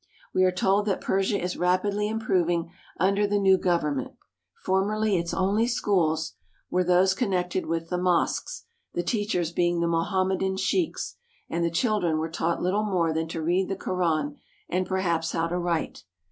We are told that Persia is rapidly improving under the new government. Formerly its only schools were those CARP. ASIA — 20 PERSIA 331 connected with the mosques, the teachers being the Mo hammedan sheiks, and the children were taught Uttle more than to read the Koran and perhaps how to write.